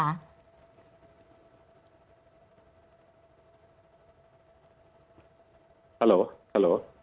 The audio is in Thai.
ฮัลโหลฮัลโหล